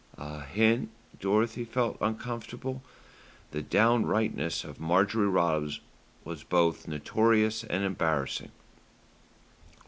"A hint." Dorothy felt uncomfortable. The downrightness of Marjorie Rogers was both notorious and embarrassing.